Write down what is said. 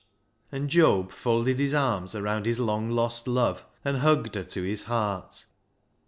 And Job folded his arms around his long lost love, and hugged her to his heart.